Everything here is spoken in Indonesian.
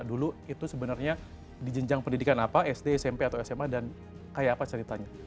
dulu itu sebenarnya di jenjang pendidikan apa sd smp atau sma dan kayak apa ceritanya